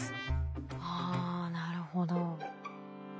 あなるほど。